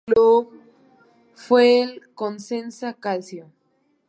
Su último club fue el Cosenza Calcio.